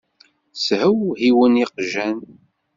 Shewhiwen yeqjan.